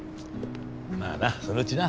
まあなそのうちな。